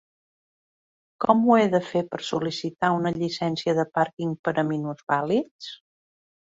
Com ho he de fer per sol·licitar una llicència de parking per a minusvàlids?